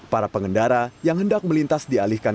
para pengendara yang hendak melintas dialihkan